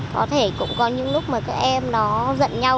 có thể cũng có những lúc mà các em nó giận nhau